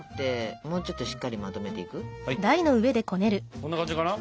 こんな感じかな？